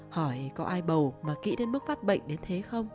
hỏi có ai bầu mà kỹ đến mức phát bệnh đến thế không